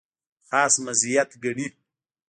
خاص مزیت ګڼي.